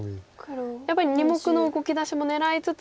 やっぱり２目の動き出しも狙いつつ。